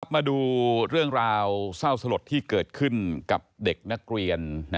มาดูเรื่องราวเศร้าสลดที่เกิดขึ้นกับเด็กนักเรียน